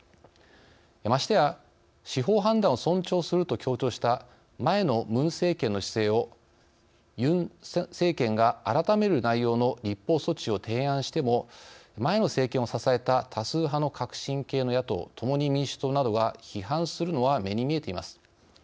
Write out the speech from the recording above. ましてや司法判断を尊重すると強調した前のムン政権の姿勢をユン政権が改める内容の立法措置を提案しても前の政権を支えた多数派の革新系の野党「共に民主党」などが批判するのは目に見えています。